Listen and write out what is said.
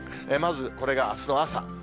まずこれがあすの朝。